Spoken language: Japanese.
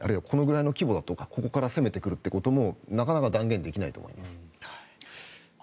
このぐらいの規模だとかここから攻めてくるということもなかなか断言できないと思います。